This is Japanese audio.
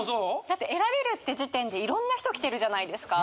だって選べるって時点でいろんな人来てるじゃないですか。